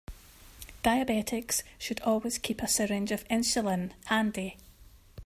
Diabetics should always keep a syringe of insulin handy.